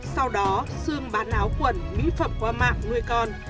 sau đó sương bán áo quần mỹ phẩm qua mạng nuôi con